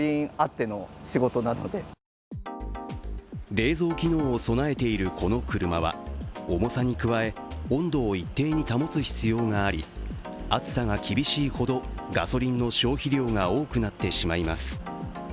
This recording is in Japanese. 冷蔵機能を備えているこの車は重さに加え、温度を一定に保つ必要があり暑さが厳しいほどガソリンの消費量が多くなってしまいます。